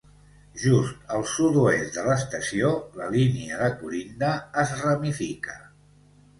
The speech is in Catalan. Just al sud-oest de l'estació, la línia de Corinda es ramifica.